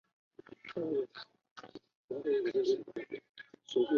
出身于青森县。